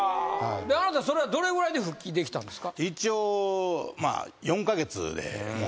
あなたそれはどれぐらいで復帰できたんですか？